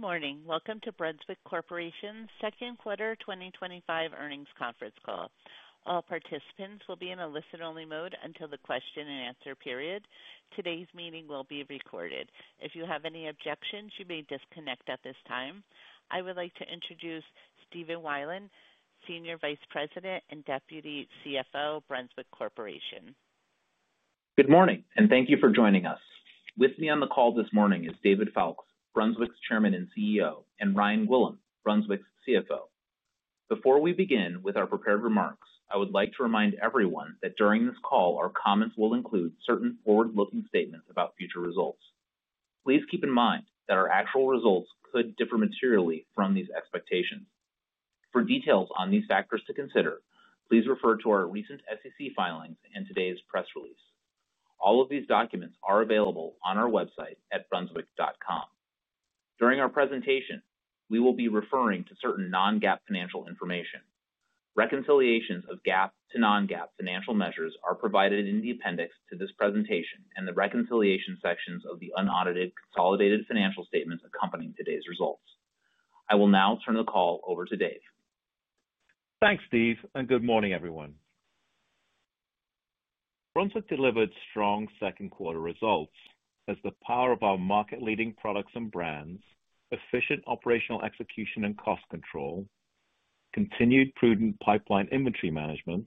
Good morning. Welcome to Brunswick Corporation's Second Quarter twenty twenty five Earnings Conference Call. All participants will be in a listen only mode until the question and answer period. Today's meeting will be recorded. If you have any objections, you may disconnect at this time. I would like to introduce Stephen Wieland, Senior Vice President and Deputy CFO, Brunswick Corporation. Good morning and thank you for joining us. With me on the call this morning is David Foulkes, Brunswick's Chairman and CEO and Ryan Willem, Brunswick's CFO. Before we begin with our prepared remarks, I would like to remind everyone that during this call, comments will include certain forward looking statements about future results. Please keep in mind that our actual results could differ materially from these expectations. For details on these factors to consider, please refer to our recent SEC filings and today's press release. All of these documents are available on our website at brunswick.com. During our presentation, we will be referring to certain non GAAP financial information. Reconciliations of GAAP to non GAAP financial measures are provided in the appendix to this presentation and the reconciliation sections of the unaudited consolidated financial statements accompanying today's results. I will now turn the call over to Dave. Thanks, Steve, and good morning, everyone. Brunswick delivered strong second quarter results as the power of our market leading products and brands, efficient operational execution and cost control, continued prudent pipeline inventory management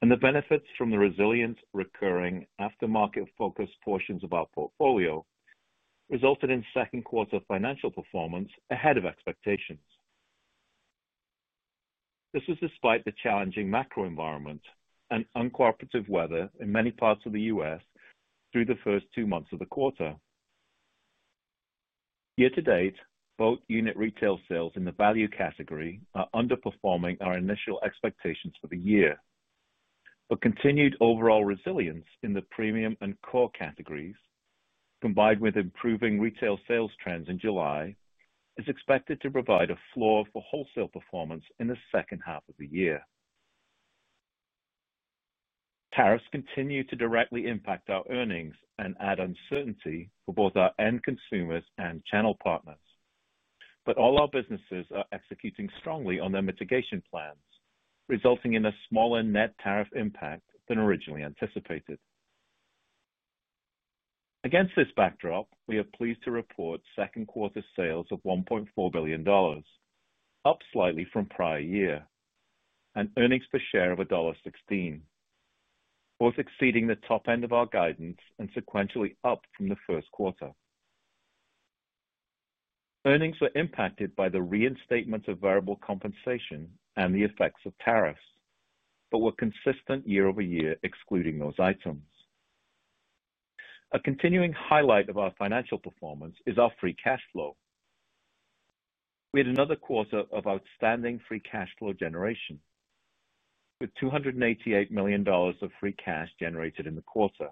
and the benefits from the resilient recurring aftermarket focused portions of our portfolio resulted in second quarter financial performance ahead of expectations. This is despite the challenging macro environment and uncooperative weather in many parts of The U. S. Through the first two months of the quarter. Year to date, both unit retail sales in the value category are underperforming our initial expectations for the year. But continued overall resilience in the premium and core categories combined with improving retail sales trends in July is expected to provide a floor for wholesale performance in the second half of the year. Tariffs continue to directly impact our earnings and add uncertainty for both our end consumers and channel partners. But all our businesses are executing strongly on their mitigation plans, resulting in a smaller net tariff impact than originally anticipated. Against this backdrop, we are pleased to report second quarter sales of $1,400,000,000 up slightly from prior year and earnings per share of 1.16 both exceeding the top end of our guidance and sequentially up from the first quarter. Earnings were impacted by the reinstatement of variable compensation and the effects of tariffs, but were consistent year over year excluding those items. A continuing highlight of our financial performance is our free cash flow. We had another quarter of outstanding free cash flow generation with $288,000,000 of free cash generated in the quarter,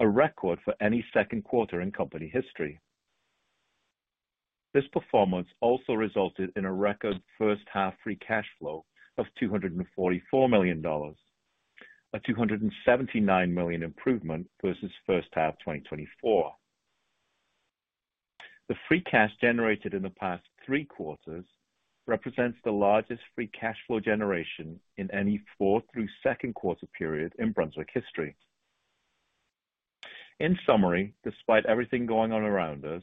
a record for any second quarter in company history. This performance also resulted in a record first half free cash flow of $244,000,000 a $279,000,000 improvement versus first half twenty twenty four. The free cash generated in the past three quarters represents the largest free cash flow generation in any fourth through second quarter period in Brunswick history. In summary, despite everything going on around us,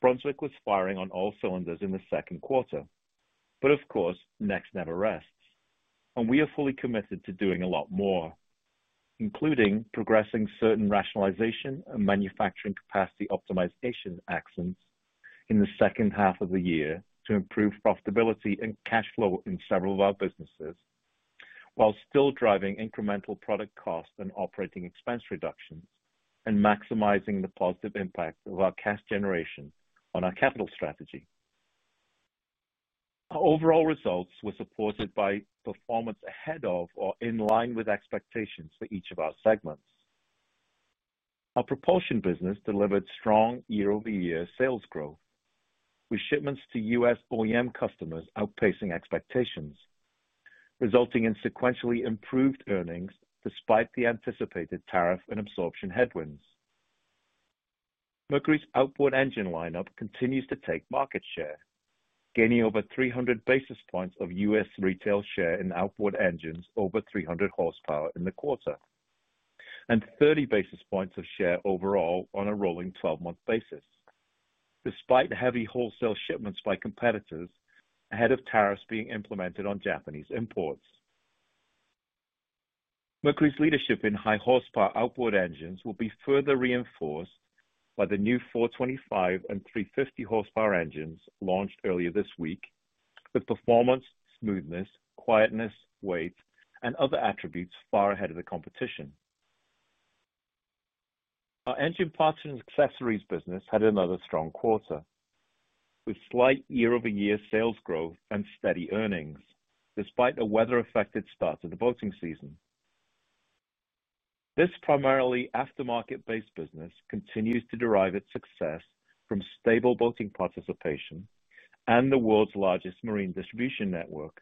Brunswick was firing on all cylinders in the second quarter. But of course, next never rests. And we are fully committed to doing a lot more, including progressing certain rationalization and manufacturing capacity optimization actions in the second half of the year to improve profitability and cash flow in several of our businesses, while still driving incremental product costs and operating expense reductions and maximizing the positive impact of our cash generation on our capital strategy. Our overall results were supported by performance ahead of or in line with expectations for each of our segments. Our propulsion business delivered strong year over year sales growth with shipments to U. S. OEM customers outpacing expectations, resulting in sequentially improved earnings despite the anticipated tariff and absorption headwinds. Mercury's outboard engine lineup continues to take market share gaining over 300 basis points of U. S. Retail share in outboard engines over 300 horsepower in the quarter and 30 basis points of share overall on a rolling twelve month basis despite heavy wholesale shipments by competitors ahead of tariffs being implemented on Japanese imports. Mercury's leadership in high horsepower outboard engines will be further reinforced by the new four twenty five and three fifty horsepower engines launched earlier this week, the performance, smoothness, quietness, weight and other attributes far ahead of the competition. Our engine parts and accessories business had another strong quarter with slight year over year sales growth and steady earnings despite a weather affected start to the boating season. This primarily aftermarket based business continues to derive its success from stable boating participation and the world's largest marine distribution network,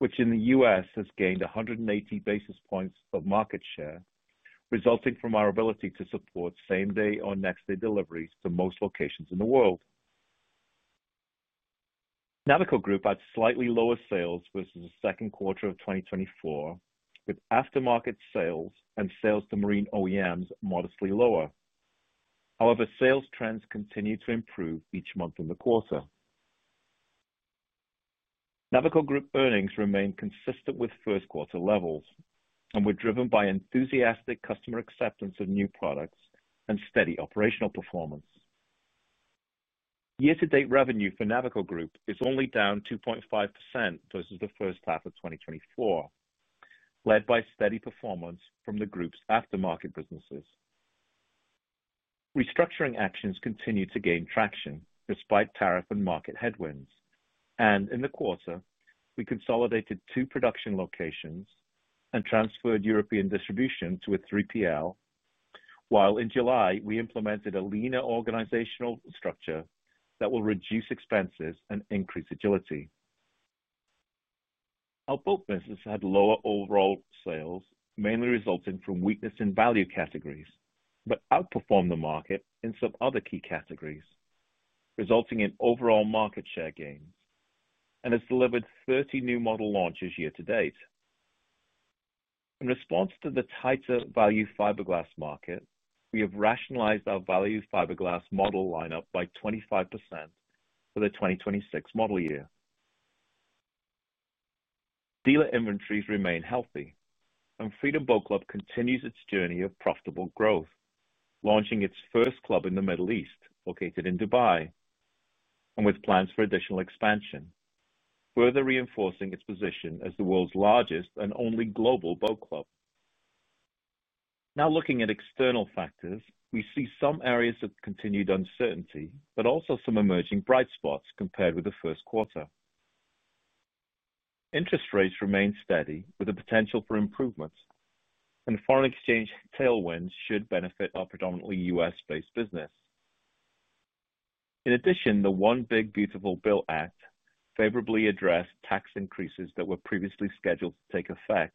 which in The U. S. Has gained 180 basis points of market share resulting from our ability to support same day or next day deliveries to most locations in the world. Navico Group had slightly lower sales versus the 2024 with aftermarket sales and sales to marine OEMs modestly lower. However, sales trends continue to improve each month in the quarter. Navico Group earnings remain consistent with first quarter levels and were driven by enthusiastic customer acceptance of new products and steady operational performance. Year to date revenue for Navico Group is only down 2.5% versus the first half of twenty twenty four, led by steady performance from the group's aftermarket businesses. Restructuring actions continue to gain traction despite tariff and market headwinds. And in the quarter, we consolidated two production locations and transferred European distribution to a 3PL, while in July we implemented a leaner organizational structure that will reduce expenses and increase agility. Our bulk business had lower overall sales mainly resulting from weakness in value categories, but outperformed the market in some other key categories, resulting in overall market share gains and has delivered 30 new model launches year to date. In response to the tighter value fiberglass market, we have rationalized our value fiberglass model lineup by 25% for the 2026 model year. Dealer inventories remain healthy and Freedom Boat Club continues its journey of profitable growth, launching its first club in The Middle East located in Dubai and with plans for additional expansion, further reinforcing its position as the world's largest and only global boat club. Now looking at external factors, we see some areas of continued uncertainty, but also some emerging bright spots compared with the first quarter. Interest rates remain steady with the potential for improvements and foreign exchange tailwinds should benefit our predominantly U. S.-based business. In addition, the One Big Beautiful Bill Act favorably addressed tax increases that were previously scheduled to take effect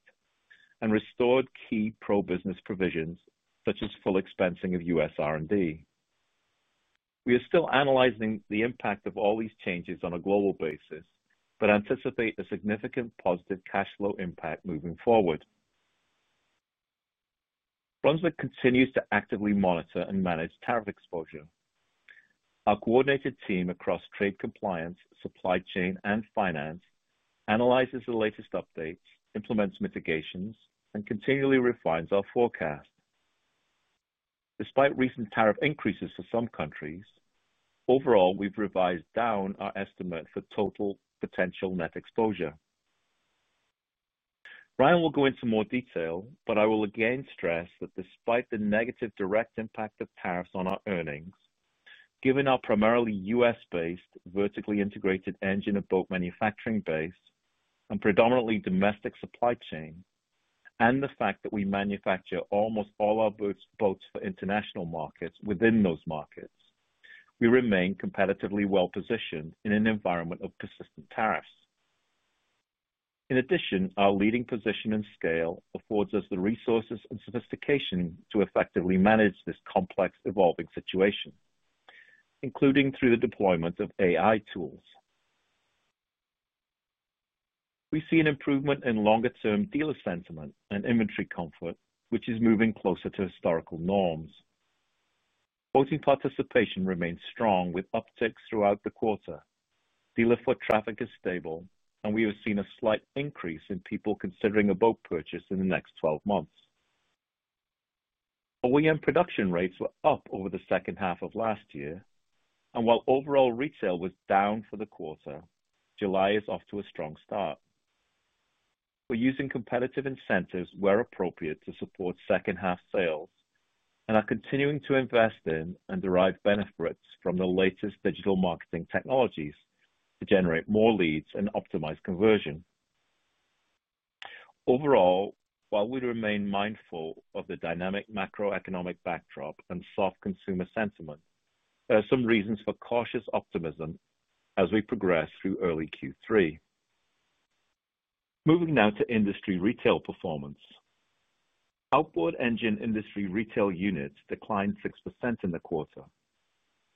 and restored key pro business provisions such as full expensing of U. S. R and D. We are still analyzing the impact of all these changes on a global basis, but anticipate a significant positive cash flow impact moving forward. Brunswick continues to actively monitor and manage tariff exposure. Our coordinated team across trade compliance, supply chain and finance analyzes the latest updates, implements mitigations and continually refines our forecast. Despite recent tariff increases for some countries, overall we've revised down our estimate for total potential net exposure. Ryan will go into more detail, but I will again stress that despite the negative direct impact of tariffs on our earnings, given our primarily U. S.-based vertically integrated engine of boat manufacturing base and predominantly domestic supply chain and the fact that we manufacture almost all our boats for international markets within those markets, we remain competitively well positioned in an environment of persistent tariffs. In addition, our leading position and scale affords us the resources and sophistication to effectively manage this complex evolving situation, including through the deployment of AI tools. We see an improvement in longer term dealer sentiment and inventory comfort, which is moving closer to historical norms. Quoting participation remains strong with upticks throughout the quarter. Dealer foot traffic is stable and we have seen a slight increase in people considering a boat purchase in the next twelve months. OEM production rates were up over the second half of last year and while overall retail was down for the quarter, July is off to a strong start. We're using competitive incentives where appropriate to support second half sales and are continuing to invest in and derive benefits from the latest digital marketing technologies to generate more leads and optimize conversion. Overall, while we remain mindful of the dynamic macroeconomic backdrop and soft consumer sentiment, there are some reasons for cautious optimism as we progress through early Q3. Moving now to industry retail performance. Outboard engine industry retail units declined 6% in the quarter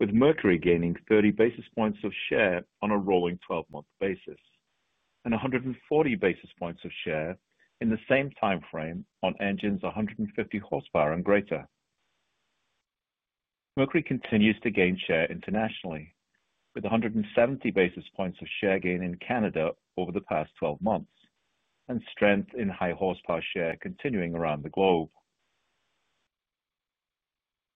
with Mercury gaining 30 basis points of share on a rolling twelve month basis and 140 basis points of share in the same timeframe on engines 150 horsepower and greater. Mercury continues to gain share internationally with 170 basis points of share gain in Canada over the past twelve months and strength in high horsepower share continuing around the globe.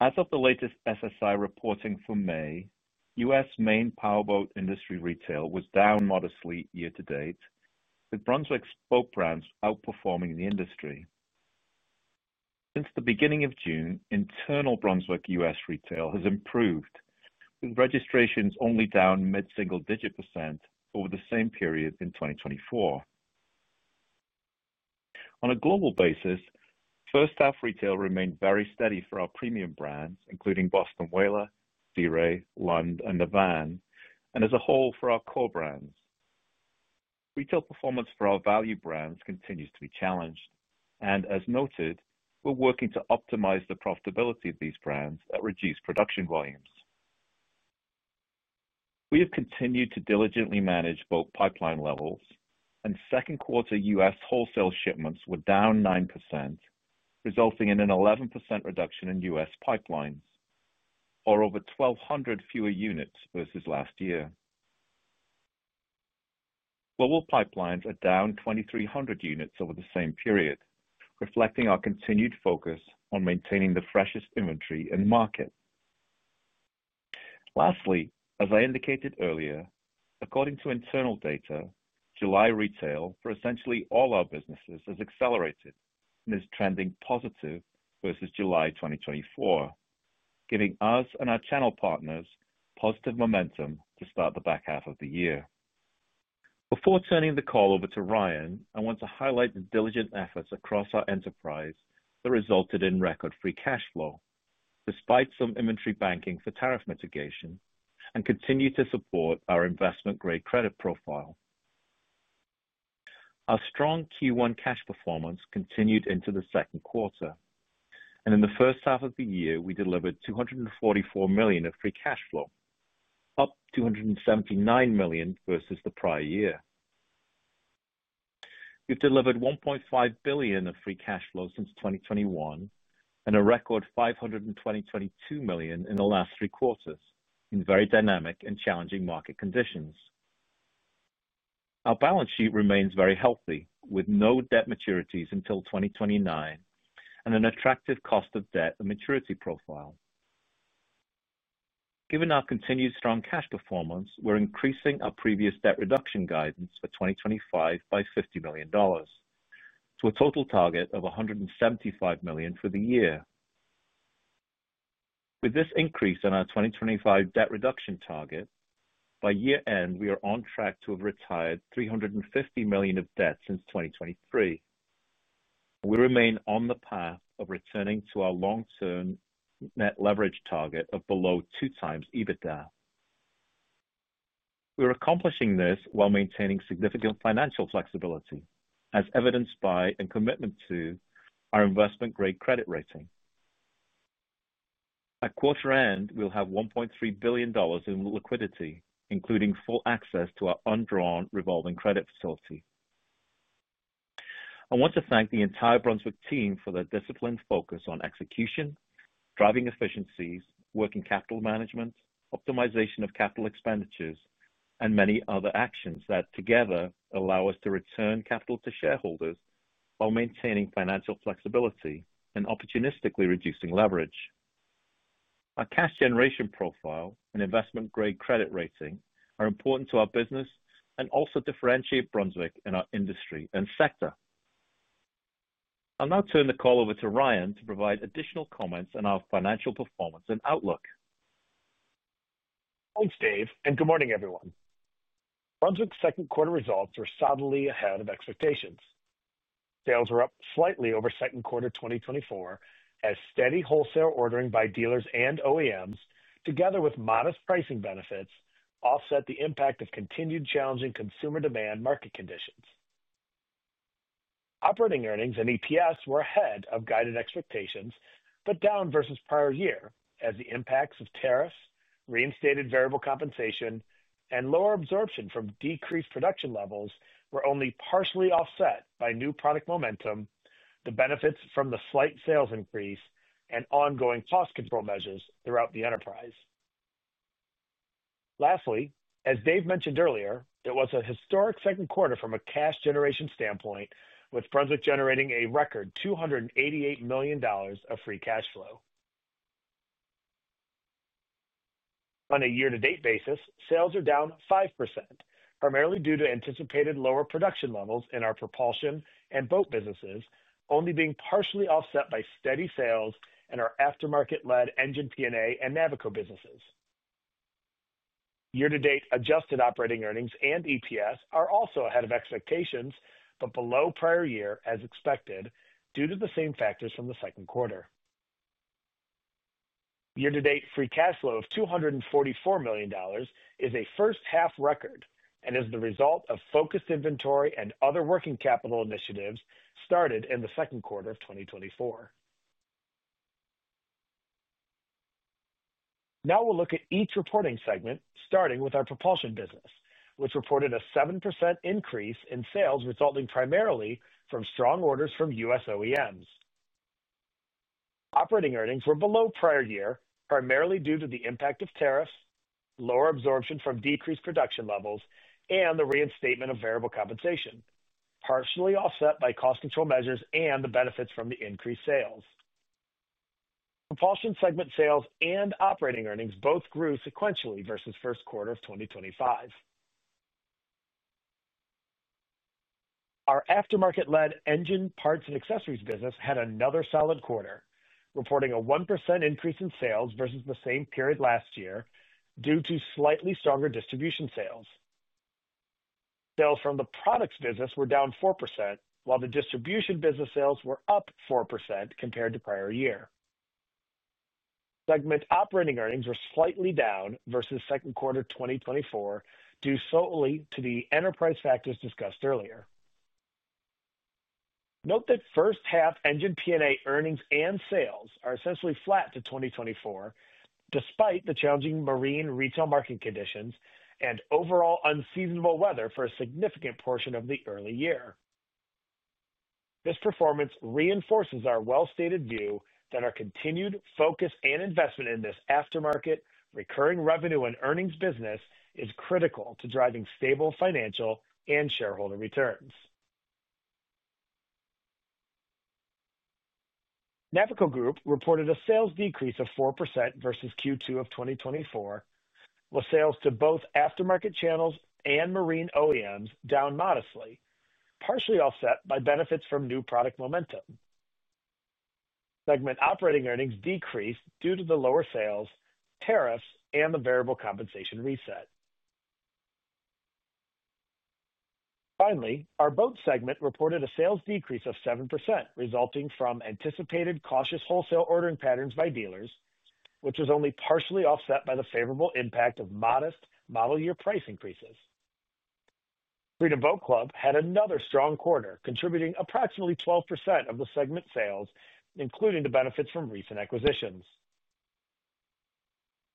As of the latest SSI reporting from May, U. S. Main powerboat industry retail was down modestly year to date with Brunswick's boat brands outperforming the industry. Since the June, internal Brunswick U. S. Retail has improved with registrations only down mid single digit percent over the same period in 2024. On a global basis, first half retail remained very steady for our premium brands including Boston Whaler, Sea Ray, Lund and Navan and as a whole for our core brands. Retail performance for our value brands continues to be challenged. And as noted, we're working to optimize the profitability of these brands that reduce production volumes. We have continued to diligently manage both pipeline levels and second quarter U. S. Wholesale shipments were down 9% resulting in an 11% reduction in U. S. Pipelines or over 1,200 fewer units versus last year. Global pipelines are down 2,300 units over the same period, reflecting our continued focus on maintaining the freshest inventory in market. Lastly, as I indicated earlier, according to internal data, July retail for essentially all our businesses has accelerated and is trending positive versus July 2024, giving us and our channel partners positive momentum to start the back half of the year. Before turning the call over to Ryan, I want to highlight the diligent efforts across our enterprise that resulted in record free cash flow despite some inventory banking for tariff mitigation and continue to support our investment grade credit profile. Our strong Q1 cash performance continued into the second quarter. And in the first half of the year, we delivered $244,000,000 of free cash flow, up $279,000,000 versus the prior year. We've delivered $1,500,000,000 of free cash flow since 2021 and a record $522,000,000 in the last three quarters in very dynamic and challenging market conditions. Our balance sheet remains very healthy with no debt maturities until 2029 and an attractive cost of debt maturity profile. Given our continued strong cash performance, we're increasing our previous debt reduction guidance for 2025 by $50,000,000 to a total target of $175,000,000 for the year. With this increase in our 2025 debt reduction target, by year end we are on track to have retired $350,000,000 of debt since 2023. We remain on the path of returning to our long term net leverage target of below two times EBITDA. We're accomplishing this while maintaining significant financial flexibility as evidenced by and commitment to our investment grade credit rating. At quarter end, we'll have $1,300,000,000 in liquidity including full access to our undrawn revolving credit facility. I want to thank the entire Brunswick team for their disciplined focus on execution, driving efficiencies, working capital management, optimization of capital expenditures and many other actions that together allow us to return capital to shareholders while maintaining financial flexibility and opportunistically reducing leverage. Our cash generation profile and investment grade credit rating are important to our business and also differentiate Brunswick in our industry and sector. I'll now turn the call over to Ryan to provide additional comments performance and outlook. Thanks, Dave, and good morning, everyone. Brunswick's second quarter results were solidly ahead of expectations. Sales were up slightly over second quarter twenty twenty four as steady wholesale ordering by dealers and OEMs together with modest pricing benefits offset the impact of continued challenging consumer demand market conditions. Operating earnings and EPS were ahead of guided expectations, but down versus prior year as the impacts of tariffs, reinstated variable compensation and lower absorption from decreased production levels were only partially offset by new product momentum, the benefits from the slight sales increase and ongoing cost control measures throughout the enterprise. Lastly, as Dave mentioned earlier, there was a historic second quarter from a cash generation standpoint with Brunswick generating a record $288,000,000 of free cash flow. On a year to date basis, sales are down 5% primarily due to anticipated lower production levels in our propulsion and boat businesses only being partially offset by steady sales in our aftermarket led engine P and A and Navico businesses. Year to date adjusted operating earnings and EPS are also ahead of expectations, but below prior year as expected due to the same factors from the second quarter. Year to date free cash flow of $244,000,000 is a first half record and is the result of focused inventory and other working capital initiatives started in the second quarter of twenty twenty four. Now we'll look at each reporting segment starting with our propulsion business which reported a 7% increase in sales resulting primarily from strong orders from U. S. OEMs. Operating earnings were below prior year primarily due to the impact of tariffs, lower absorption from decreased production levels and the reinstatement of variable compensation partially offset by cost control measures and the benefits from the increased sales. Compulsion segment sales and operating earnings both grew sequentially versus first quarter of twenty twenty five. Our aftermarket led engine parts and accessories business had another solid quarter reporting a 1% increase in sales versus the same period last year due to slightly stronger distribution sales. Sales from the products business were down 4% while the distribution business sales were up 4% compared to prior year. Segment operating earnings were slightly down versus second quarter twenty twenty four due solely to the enterprise factors discussed earlier. Note that first half engine P and A earnings and sales are essentially flat to 2024 despite the challenging marine retail market conditions and overall unseasonable weather for a significant portion of the early year. This performance reinforces our well stated view that our continued focus and investment in this aftermarket recurring revenue and earnings business is critical to driving stable financial and shareholder returns. NAPCO Group reported a sales decrease of 4% versus 2024 with sales to both aftermarket channels and marine OEMs down modestly partially offset by benefits from new product momentum. Segment operating earnings decreased due to the lower sales, tariffs and the variable compensation reset. Finally, our Boat segment reported a sales decrease of 7% resulting from anticipated cautious wholesale ordering patterns by dealers, which was only partially offset by the favorable impact of modest model year price increases. Freedom Boat Club had another strong quarter contributing approximately 12% of the segment sales including the benefits from recent acquisitions.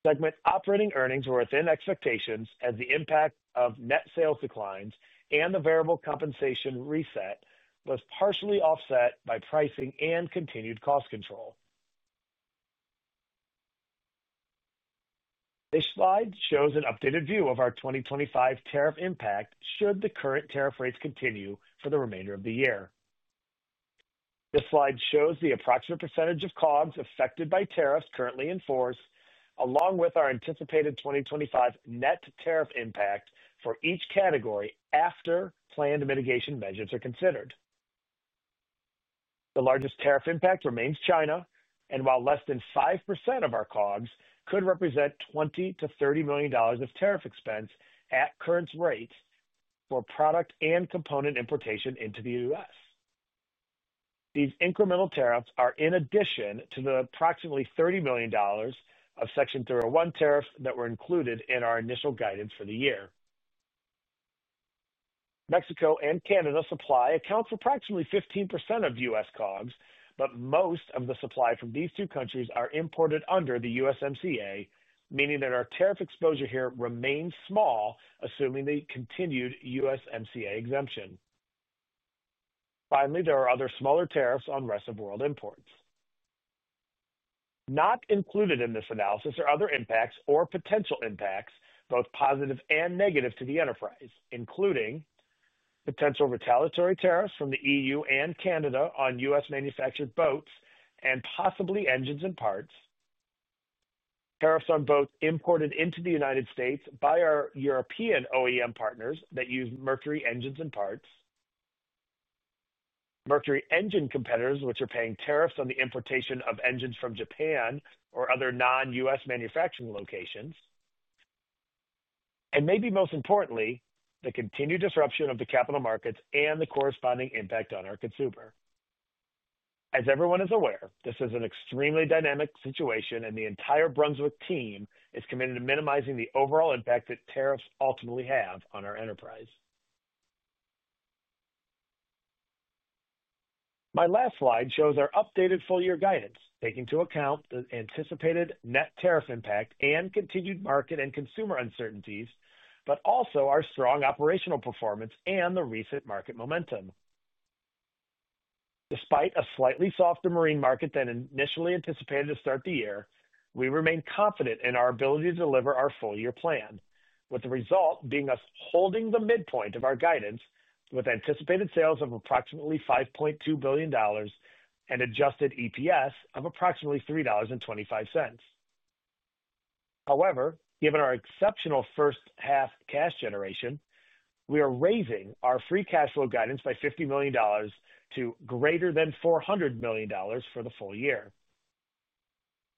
Segment operating earnings were within expectations as the impact of net sales declines and the variable compensation reset was partially offset by pricing and continued cost control. This slide shows an updated view of our 2025 tariff impact should the current tariff rates continue for the remainder of the year. This slide shows the approximate percentage of COGS affected by tariffs currently in force along with our anticipated 2025 net tariff impact for each category after planned mitigation measures are considered. The largest tariff impact remains China and while less than 5% of our COGS could represent $20,000,000 to $30,000,000 of tariff expense at current rates for product and component importation into The U. S. These incremental tariffs are in addition to the approximately $30,000,000 of Section one tariffs that were included in our initial guidance for the year. Mexico and Canada supply accounts for approximately 15% of U. S. COGS, but most of the supply from these two countries are imported under the USMCA meaning that our tariff exposure here remains small assuming the continued USMCA exemption. Finally, are other smaller tariffs on rest of world imports. Not included in this analysis are other impacts or potential impacts both positive and negative to the enterprise including potential retaliatory tariffs from The EU and Canada on U. S. Manufactured boats and possibly engines and parts, tariffs on boats imported into The United States by our European OEM partners that use mercury engines and parts, mercury engine competitors which are paying tariffs on the importation of engines from Japan or other non U. S. Manufacturing locations, and maybe most importantly the continued disruption of the capital markets and the corresponding impact on our consumer. As everyone is aware, this is an extremely dynamic situation and the entire Brunswick team is committed to minimizing the overall impact that tariffs ultimately have on our enterprise. My last slide shows our updated full year guidance taking to account the anticipated net tariff impact and continued market and consumer uncertainties, but also our strong operational performance and the recent market momentum. Despite a slightly softer marine market than initially anticipated to start the year, we remain confident in our ability to deliver our full year plan with the result being us holding the midpoint of our guidance with anticipated sales of approximately $5,200,000,000 and adjusted EPS of approximately $3.25 However, given our exceptional first half cash generation, we are raising our free cash flow guidance by $50,000,000 to greater than $400,000,000 for the full year.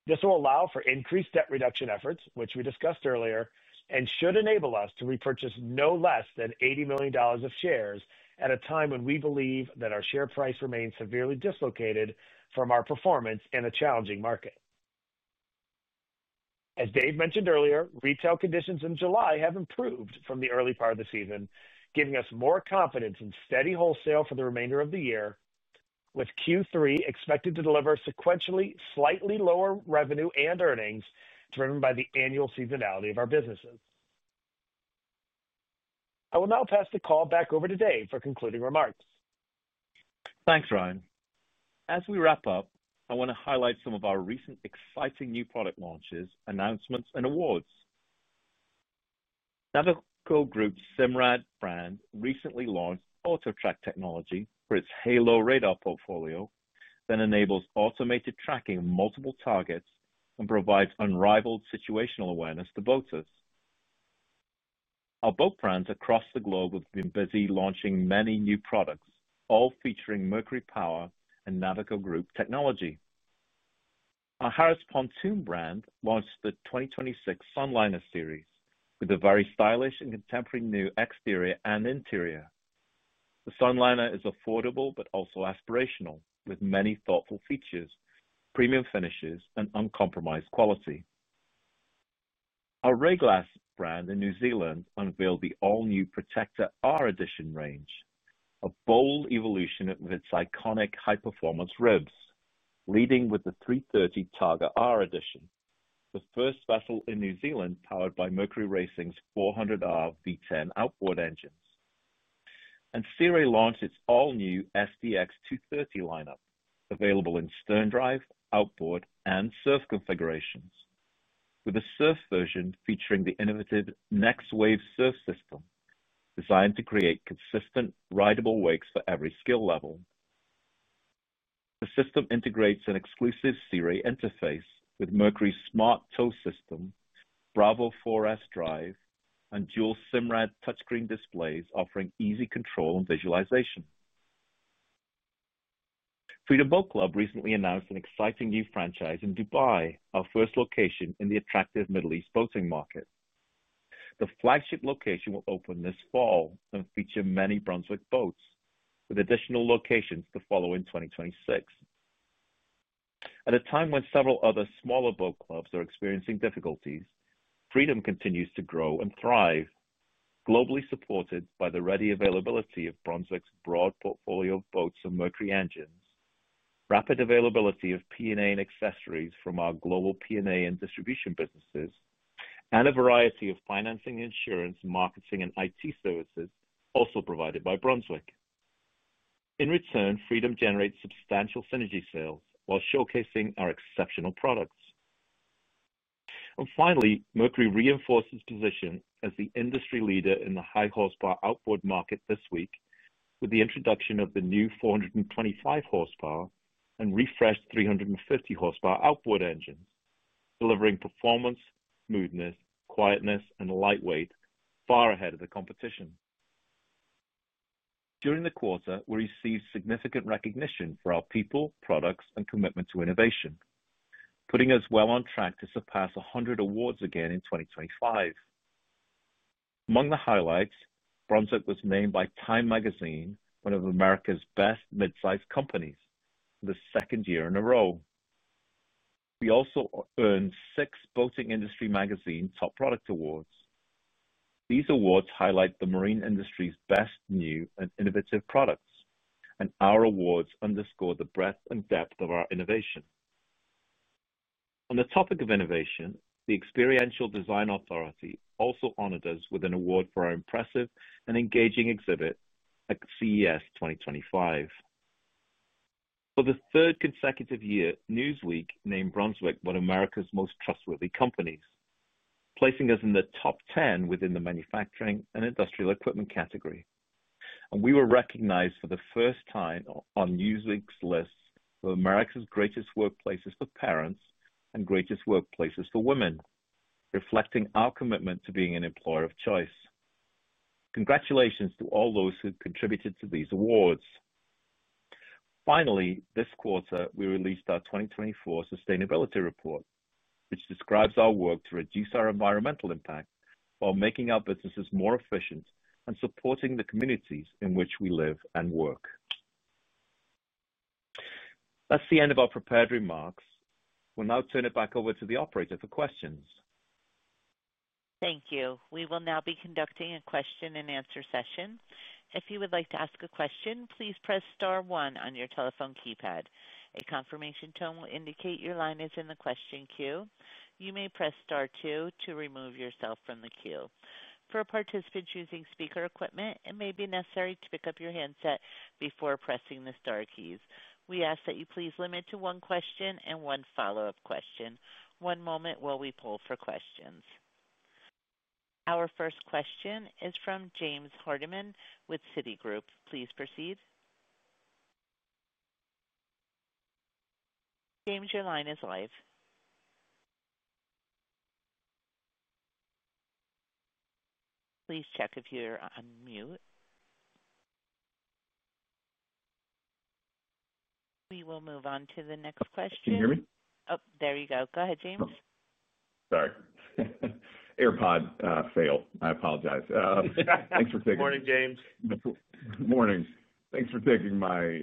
This will allow for increased debt reduction efforts which we discussed earlier and should enable us to repurchase no less than $80,000,000 of shares at a time when we believe that our share price remains severely dislocated from our performance in a challenging market. As Dave mentioned earlier, retail conditions in July have improved from the early part of the season giving us more confidence in steady wholesale for the remainder of the year with Q3 expected to deliver sequentially slightly lower revenue and earnings driven by the annual seasonality of our businesses. I will now pass the call back over to Dave for concluding remarks. Thanks, Ryan. As we wrap up, I want to highlight some of our recent exciting new product launches, announcements and awards. Navaco Group's CIMRAD brand recently launched AutoTrac technology for its HALO radar portfolio that enables automated tracking multiple targets and provides unrivaled situational awareness to boaters. Our boat brands across the globe have been busy launching many new products, all featuring Mercury Power and Navico Group technology. Our Harris Pontoon brand launched the 2026 Sunliner Series with a very stylish and contemporary new exterior and interior. The Sunliner is affordable, but also aspirational with many thoughtful features, premium finishes and uncompromised quality. Our Ray Glass brand in New Zealand unveiled the all new Protector R Edition range, a bold evolution of its iconic high performance revs, leading with the three thirty Targa R edition, the first vessel in New Zealand powered by Mercury Racing's 400R V10 outboard engines. And Sea Ray launched its all new SDX230 lineup available in sterndrive, outboard and SURF configurations with the SURF version featuring the innovative Next Wave SURF system designed to create consistent rideable wakes for every skill level. The system integrates an exclusive Siri interface with Mercury's smart tow system, Bravo 4S drive and dual SIMRAD touchscreen displays offering easy control and visualization. Freedom Boat Club recently announced an exciting new franchise in Dubai, our first location in the attractive Middle East boating market. The flagship location will open this fall and feature many Brunswick boats with additional locations to follow in 2026. At a time when several other smaller boat clubs are experiencing difficulties, Freedom continues to grow and thrive, globally supported by the ready availability of Brunswick's broad portfolio of boats and Mercury engines, rapid availability of P and A and accessories from our global P and A and distribution businesses and a variety of financing insurance, marketing and IT services also provided by Brunswick. In return, Freedom generates substantial synergy sales while showcasing our exceptional products. And finally, Mercury reinforces position as the industry leader in the high horsepower outboard market this week with the introduction of the new four twenty five horsepower and refreshed three fifty horsepower outboard engines, delivering performance, smoothness, quietness and lightweight far ahead of the competition. During the quarter, we received significant recognition for our people, products and commitment to innovation, putting us well on track to surpass 100 awards again in 2025. Among the highlights, Brunswick was named by Time Magazine, one of America's best mid sized companies, the second year in a row. We also earned six Boating Industry Magazine Top Product Awards. These awards highlight the marine industry's best new and innovative products and our awards underscore the breadth and depth of our innovation. On the topic of innovation, the Experiential Design Authority also honored us with an award for our impressive and engaging exhibit at CES twenty twenty five. For the third consecutive year, Newsweek named Brunswick one America's most trustworthy companies, placing us in the top 10 within the manufacturing and industrial equipment category. And we were recognized for the first time on Newsweek's list of America's Greatest Workplaces for Parents and Greatest Workplaces for Women, reflecting our commitment to being an employer of choice. Congratulations to all those who contributed to these awards. Finally, this quarter we released our 2024 sustainability report, which describes our work to reduce our environmental impact while making our businesses more efficient and supporting the communities in which we live and work. That's the end of our prepared remarks. We'll now turn it back over to the operator for questions. Thank you. We will now be conducting a question and answer Our first question is from James Hardiman with Citigroup. Please proceed. James, your line is live. Please check if you're on mute. We will move on to the next question. Can you hear me? There you go. Go ahead, James. Sorry. AirPod fail. I apologize. Good morning, James. Good morning. Thanks for taking my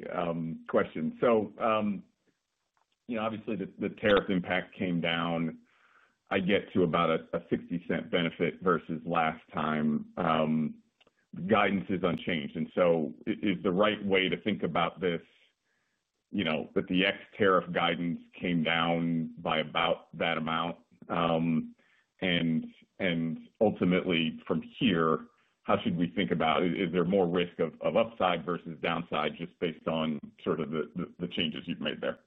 question. So obviously, the tariff impact came down. I get to about a $0.60 benefit versus last time. Guidance is unchanged. And so is the right way to think about this that the ex tariff guidance came down by about that amount? And ultimately from here, how should we think about is there more risk of upside versus downside just based on sort of the changes you've made there?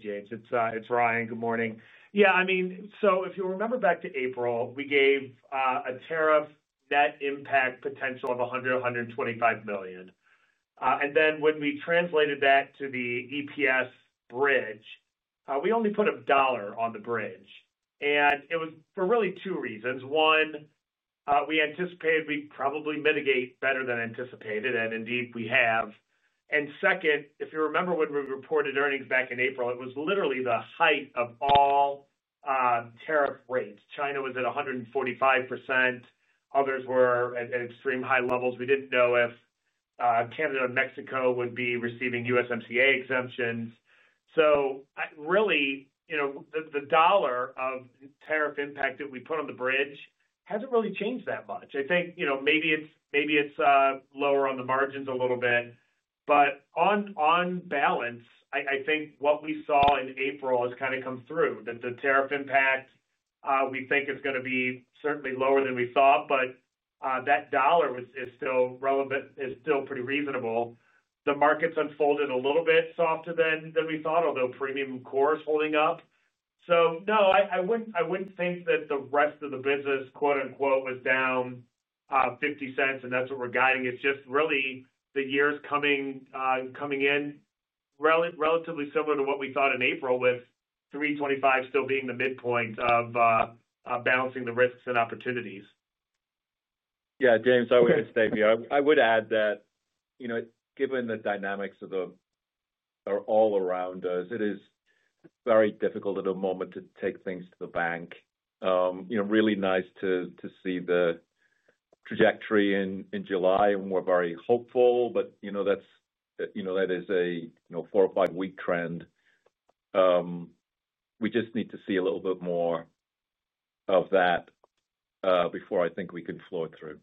James. It's Ryan. Good morning. Yes, I mean, so if you remember back to April, we gave a tariff that impact potential of 100,000,000 to $125,000,000 And then when we translated that to the EPS bridge, we only put $1 on the bridge. And it was for really two reasons. One, we anticipated we'd probably mitigate better than anticipated and indeed we have. And second, if you remember when we reported earnings back in April, it was literally the height of all tariff rates. China was at 145 percent, others were at extreme high levels. We didn't know if Canada and Mexico would be receiving USMCA exemptions. So really, the dollar of tariff impact that we put on the bridge hasn't really changed that much. I think maybe it's lower on the margins a little bit. But on balance, I think what we saw in April has kind of come through, that the tariff impact, we think it's going to be certainly lower than we thought, but that dollar was is still relevant is still pretty reasonable. The markets unfolded a little bit softer than than we thought, although premium core is holding up. So no, I I wouldn't I wouldn't think that the rest of the business was down, $0.50 and that's what we're guiding. It's just really the year is coming coming in relatively similar to what we thought in April with 03/25 still being the midpoint of balancing the risks and opportunities. Yes, James, would add that given the dynamics of the all around us, it is very difficult at a moment to take things to the bank. Really nice to see the trajectory in July and we're very hopeful, but that is a four or five week trend. We just need to see a little bit more of that before I think we can flow it through.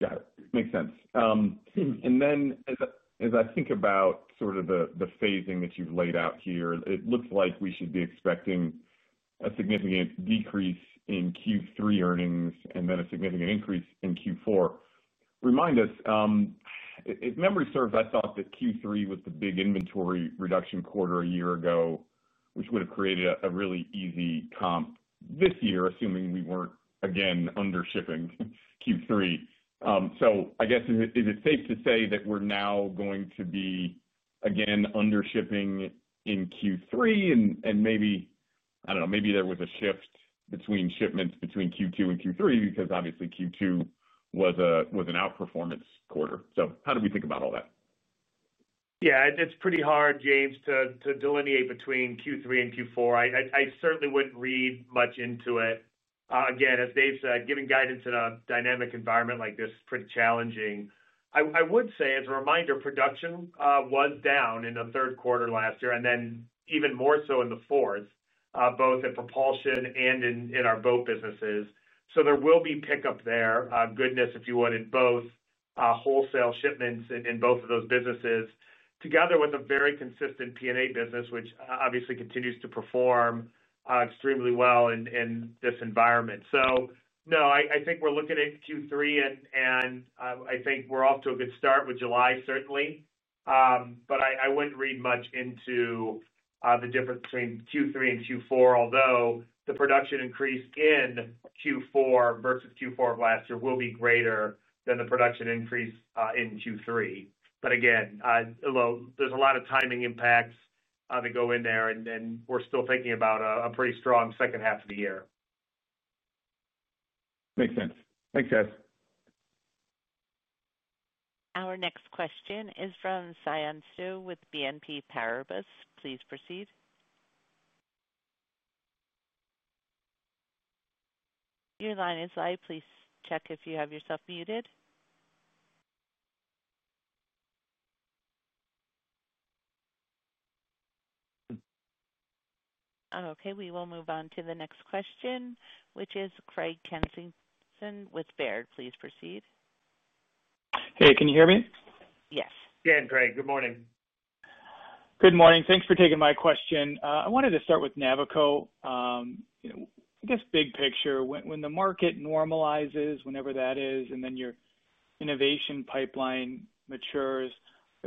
Got it. Makes sense. And then as I think about sort of the phasing that you've laid out here, it looks like we should be expecting a significant decrease in Q3 earnings and then a significant increase in Q4. Remind us, if memory serves, I thought that Q3 was the big inventory reduction quarter a year ago, which would have created a really easy comp this year, assuming we weren't again undershipping Q3. So I guess is it safe to say that we're now going to be again undershipping in Q3? And maybe I don't know, maybe there was a shift between shipments between Q2 and Q3 because obviously Q2 was an outperformance quarter. So how do we think about all that? Yes. It's pretty hard, James, to delineate between Q3 and Q4. I certainly wouldn't read much into it. Again, as Dave said, giving guidance in a dynamic environment like this is pretty challenging. I would say, as a reminder, production was down in the third quarter last year and then even more so in the fourth, both in propulsion and in our boat businesses. There So will be pickup there, goodness, if you would, in both wholesale shipments in both of those businesses, together with a very consistent P and A business, which obviously continues to perform extremely well in this environment. So no, I think we're looking at Q3 and I think we're off to a good start with July certainly. But I wouldn't read much into the difference between Q3 and Q4, although the production increase in Q4 versus Q4 of last year will be greater than the production increase in Q3. But again, there's a lot of timing impacts that go in there and we're still thinking about a pretty strong second half of the year. Makes sense. Thanks guys. Our next question is from Sian Su with BNP Paribas. Please proceed. Your line is live. Please check if you have yourself muted. Okay. We will move on to the next question, which is Craig Kensington with Baird. Please proceed. Hey, can you hear me? Yes. Again, Craig. Good morning. Good morning. Thanks for taking my question. I wanted to start with Navico. Guess big picture, when the market normalizes whenever that is and then your innovation pipeline matures,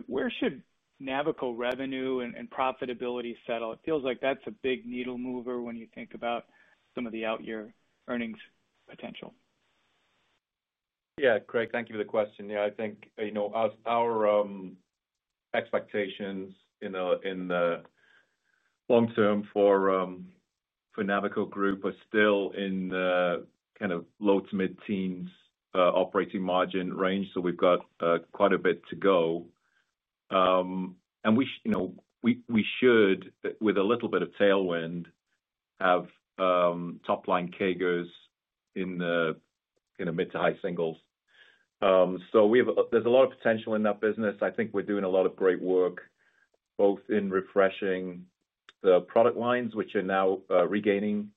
where should Navico revenue and profitability settle? It feels like that's a big needle mover when you think about some of the out year earnings potential. Yes. Craig, thank you for the question. Yes, I think our expectations in the long term for Navico Group are still in kind of low to mid teens operating margin range. So we've got quite a bit to go. And we should with a little bit of tailwind have top line CAGRs the mid to high singles. So we have there's a lot of potential in that business. I think we're doing a lot of great work both in refreshing the product lines, which are now regaining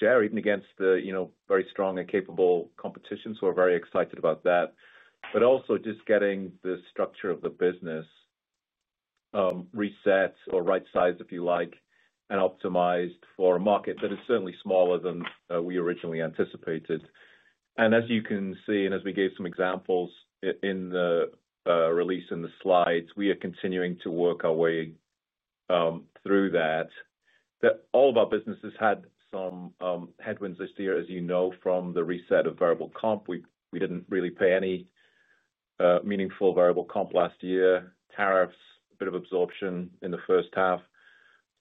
share even against the very strong and capable competition. So we're very excited about that. But also just getting the structure of the business reset or right size if you like and optimized for a market that is certainly smaller than we originally anticipated. And as you can see and as we gave some examples in the release in the slides, we are continuing to work our way through that. All of our businesses had some headwinds this year as you know from the reset of variable comp. We didn't really pay any meaningful variable comp last year, tariffs, a bit of absorption in the first half.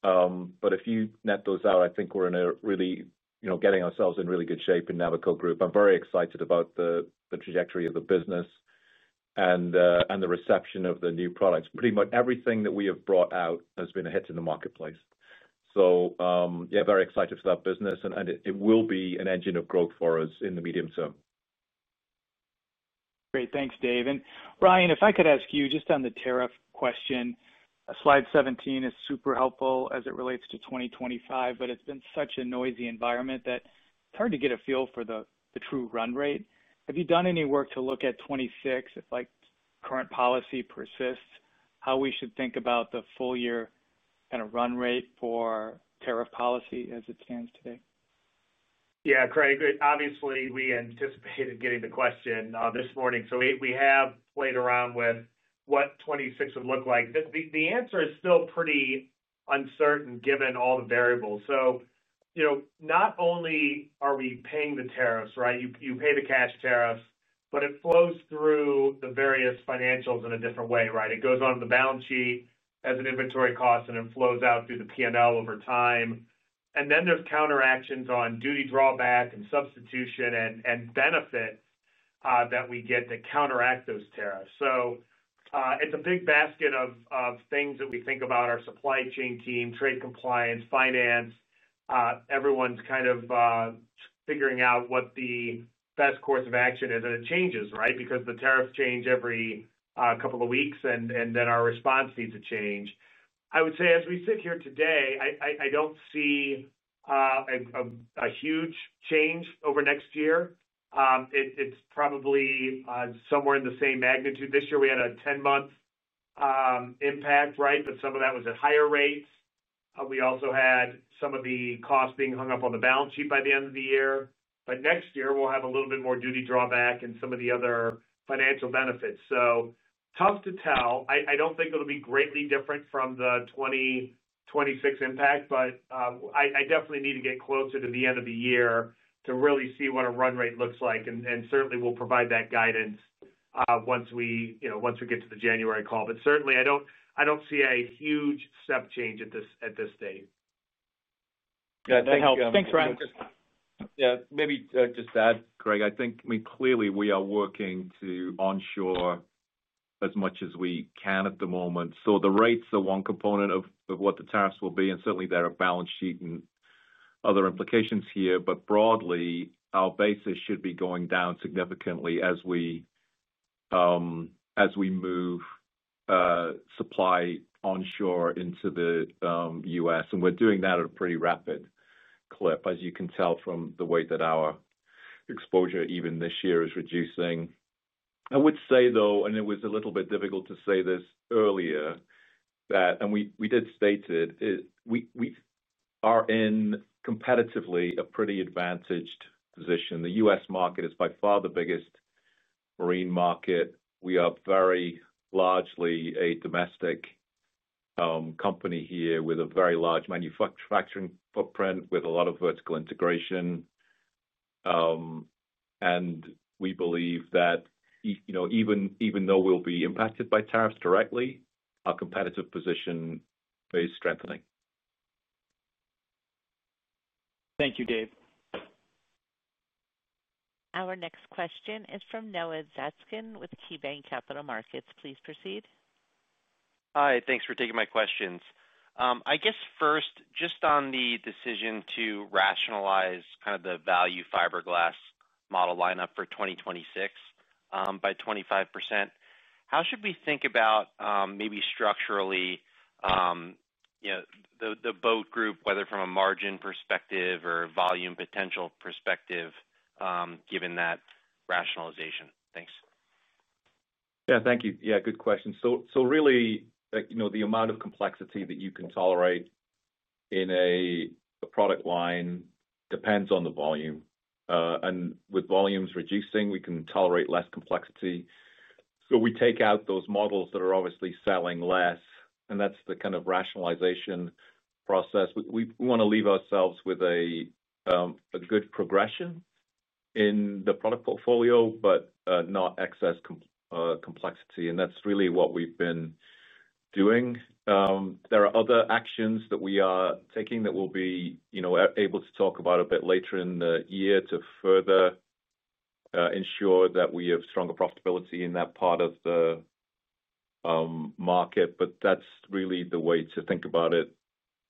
But if you net those out, I think we're in a really getting ourselves in really good shape in Navico Group. I'm very excited about the trajectory of the business and the reception of the new products. Pretty much everything that we have brought out has been a hit in the marketplace. So, yes, excited for that business and it will be an engine of growth for us in the medium term. Great. Thanks, Dave. And Ryan, if I could ask you just on the tariff question. Slide 17 is super helpful as it relates to 2025, but it's been such a noisy environment that it's hard to get a feel for the true run rate. Have you done any work to look at 2026 if like current policy persists? How we should think about the full year kind of run rate for tariff policy as it stands today? Yes, Craig. Obviously, we anticipated getting the question this morning. So we have played around with what 2026 would look like. The answer is still pretty uncertain given all the variables. Not only are we paying the tariffs, right? You pay the cash tariffs, but it flows through the various financials in a different way, right? It goes on the balance sheet as an inventory cost and then flows out through the P and L over time. And then there's counteractions on duty drawback and substitution and benefit that we get to counteract those tariffs. So it's a big basket of things that we think about our supply chain team, trade compliance, finance. Everyone's kind of figuring out what the best course of action is and it changes, right? Because the tariffs change every couple of weeks and and then our response needs to change. I would say as we sit here today, I I I don't see a huge change over next year. It's probably somewhere in the same magnitude. This year, we had a ten month impact, right? But some of that was at higher rates. We also had some of the cost being hung up on the balance sheet by the end of the year. But next year, we'll have a little bit more duty drawback and some of the other financial benefits. So tough to tell. I don't think it'll be greatly different from the 2026 impact, but I definitely need to get closer to the end of the year to really see what a run rate looks like. And certainly, we'll provide that guidance once we get to the January call. But certainly, I don't see a huge step change at this date. Thanks, Yes. Maybe just to add, Greg, I think, I mean, clearly, are working to onshore as much as we can at the moment. So the rates are one component of what the tariffs will be and certainly there are balance sheet and other implications here. But broadly, our basis should be going down significantly as we move supply onshore into The U. S. And we're doing that at a pretty rapid clip as you can tell from the way that our exposure even this year is reducing. I would say though and it was a little bit difficult to say this earlier that and we did state it, we are in competitively a pretty advantaged position. The U. S. Market is by far the biggest marine market. We are very largely a domestic company here with a very large manufacturing footprint with a lot of vertical integration. And we believe that even though we'll be impacted by tariffs directly, our competitive position is strengthening. Thank you, Dave. Our next question is from Noah Zatzkin with KeyBanc Capital Markets. Please proceed. Hi. Thanks for taking my questions. I guess, first, just on the decision to rationalize kind of the value fiberglass model lineup for 2026 by 25%. How should we think about maybe structurally the boat group, whether from a margin perspective or volume potential perspective given that rationalization? Thanks. Yes. Thank you. Yes, good question. So really the amount of complexity that you can tolerate in a product line depends on the volume. And with volumes reducing, we can tolerate less complexity. So we take out those models that are obviously selling less and that's the kind of rationalization process. We want to leave ourselves with a good progression in the product portfolio, but not excess complexity. And that's really what we've been doing. There are other actions that we are taking that we'll be able to talk about a bit later in the year to further ensure that we have stronger profitability in that part of the market. But that's really the way to think about it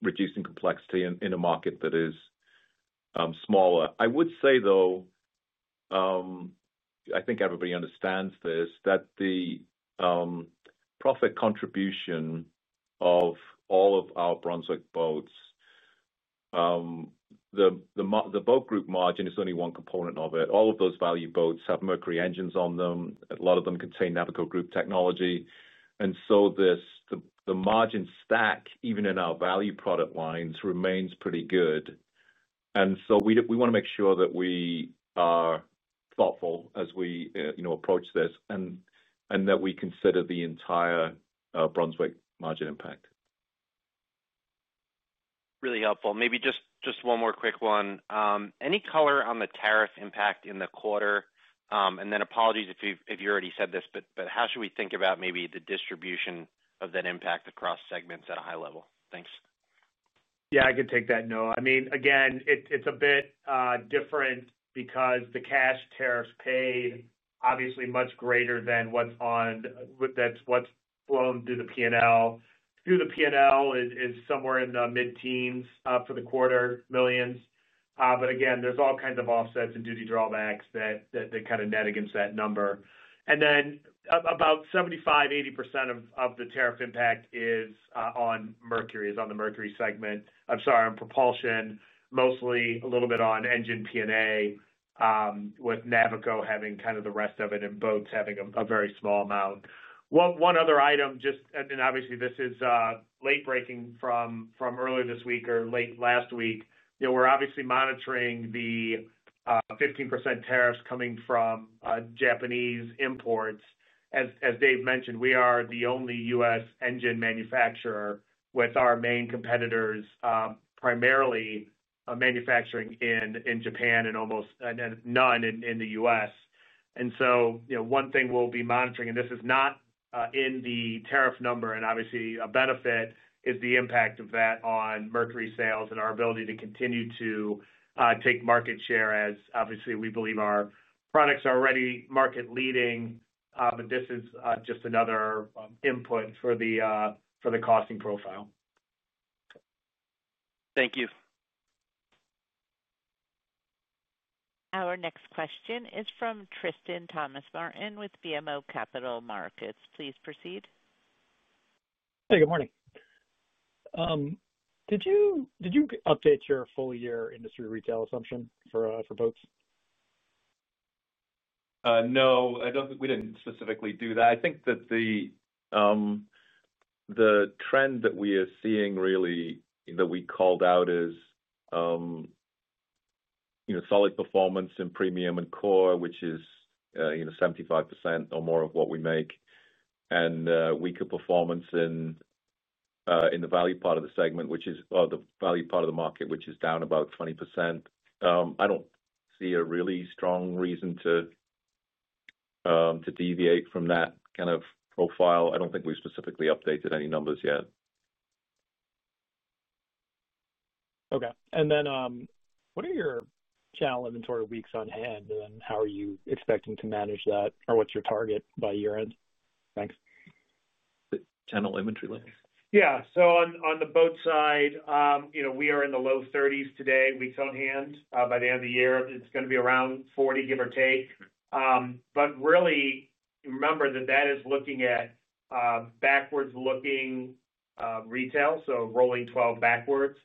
reducing complexity in a market that is smaller. I would say though, I think everybody understands this that the profit contribution of all of our Brunswick boats, the boat group margin is only one component of it. All of those value boats have Mercury engines on them. A lot of them contain Navico Group technology. And so this the margin stack even in our value product lines remains pretty good. And so we want to make sure that we are thoughtful as we approach this and that we consider the entire Brunswick margin impact. Really helpful. Maybe just one more quick one. Any color on the tariff impact in the quarter? And then apologies if you already said this, but how should we think about maybe the distribution of that impact across segments at a high level? Thanks. Yes, I can take that, Noah. I mean, again, it's a bit different because the cash tariffs paid obviously much greater than what's on with that's what's flown through the P and L. Through the P and L, it's somewhere in the mid teens for the quarter millions. But again, there's all kinds of offsets and duty drawbacks that kind of net against that number. And then about 75%, 80% of the tariff impact is on Mercury is on the Mercury segment I'm sorry, on propulsion, mostly a little bit on engine P and A, with Navico having kind of the rest of it and boats having a very small amount. One other item just and obviously this is late breaking from earlier this week or late last week. We're obviously monitoring the 15% tariffs coming from Japanese imports. As Dave mentioned, we are the only U. S. Engine manufacturer with our main competitors, primarily manufacturing in Japan and almost none in The U. S. And so one thing we'll be monitoring and this is not in the tariff number and obviously a benefit is the impact of that on Mercury sales and our ability to continue to take market share as obviously we believe our products are already market leading, but this is just another input for the costing profile. Thank you. Our next question is from Tristan Thomas Martin with BMO Capital Markets. Please proceed. Hey, good morning. Did you update your full year industry retail assumption for Boats? No, I don't think we didn't specifically do that. I think that the trend that we are seeing really that we called out is solid performance in premium and core, which is 75% or more of what we make and weaker performance in the value part of the segment, which is or the value part of the market, which is down about 20%. I don't see a really strong reason to deviate from that kind of profile. I don't think we specifically updated any numbers yet. Okay. And then what are your channel inventory weeks on hand? And then how are you expecting to manage that? Or what's your target by year end? Thanks. Channel inventory levels? Yes. So on the boat side, we are in the low 30s today. We sell on hand by the end of the year. It's going be around 40 give or take. But really remember that that is looking at backwards looking retail, so rolling 12 backwards.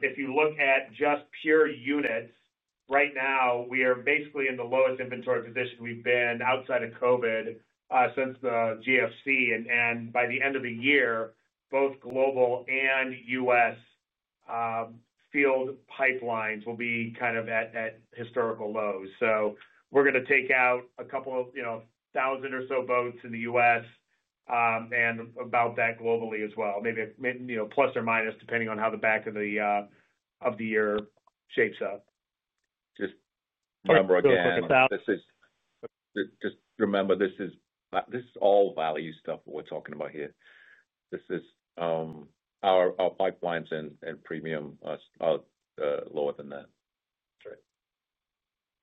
If you look at just pure units, right now, we are basically in the lowest inventory position we've been outside of COVID since the GFC. And and by the end of the year, both global and US field pipelines will be kind of at at historical lows. So we're gonna take out a couple of, you know, thousand or so boats in The US and about that globally as well. Maybe maybe, you know, plus or minus depending on how the back of the of the year shapes up. Just remember this is all value stuff we're talking about here. This is our pipelines and premium are lower than that.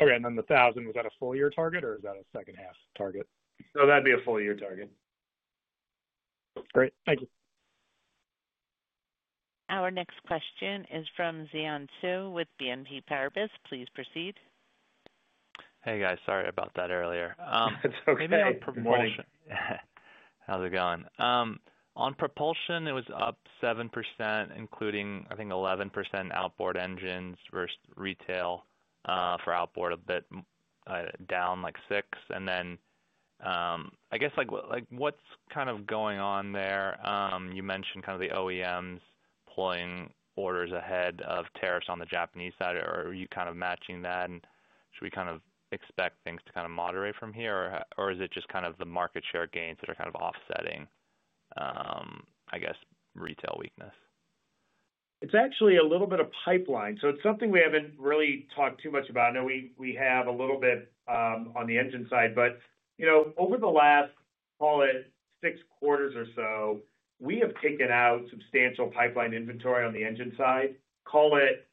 Okay. Then the 1,000 was that a full year target or is that a second half target? No, that would be a full year target. Great. Thank you. Our next question is from Zian Tzu with BNP Paribas. Please proceed. Hey guys, sorry about that earlier. Okay. Good morning. How's it going? On propulsion, it was up 7% including I think 11% outboard engines versus retail for outboard a bit down like 6%. And then I guess like what's kind of going on there? You mentioned kind of the OEMs pulling orders ahead of tariffs on the Japanese side. Are you kind of matching that? And should we kind of expect things to kind of moderate from here? Is it just kind of the market share gains that are kind of offsetting, I guess, retail weakness? It's actually a little bit of pipeline. So it's something we haven't really talked too much about. Know we have a little bit on the engine side. But over the last, call it, six quarters or so, we have taken out substantial pipeline inventory on the engine side, call it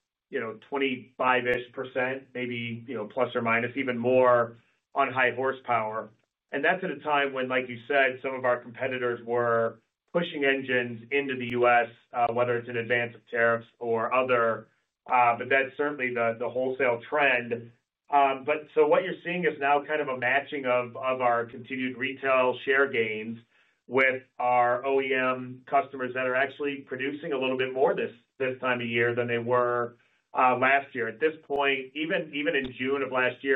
25 ish percent, maybe plus or minus even more on high horsepower. And that's at a time when, like you said, some of our competitors were pushing engines into The U. S, whether it's in advance of tariffs or other, but that's certainly the wholesale trend. But so what you're seeing is now kind of a matching of our continued retail share gains with our OEM customers that are actually producing a little bit more this time of year than they were last year. At this point, even in June,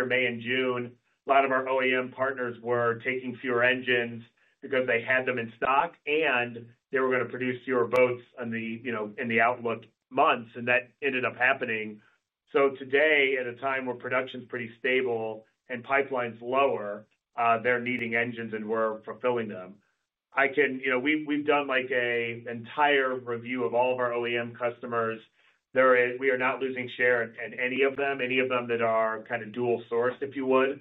May and June, a lot of our OEM partners were taking fewer engines because they had them in stock and they were going to produce fewer boats in the outlook months and that ended up happening. So today at a time where production is pretty stable and pipeline is lower, they're needing engines and we're fulfilling them. I can we've done like an entire review of all of our OEM customers. There is we are not losing share in any of them, any of them that are kind of dual sourced, if you would.